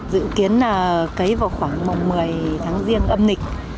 dự kiến là cấy vào khoảng mùng một mươi tháng riêng âm nịch